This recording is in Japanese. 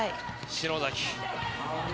篠崎。